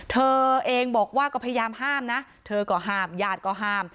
เธอเองบอกว่าก็พยายามห้ามนะเธอก็ห้ามญาติก็ห้าม